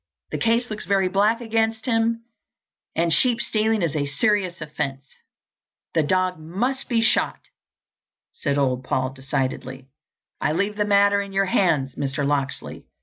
The case looks very black against him, and sheep stealing is a serious offence." "The dog must be shot," said old Paul decidedly. "I leave the matter in your hands, Mr. Locksley.